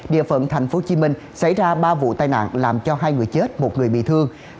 địa phận tp hcm xảy ra ba vụ tai nạn làm cho hai người chết một người bị thương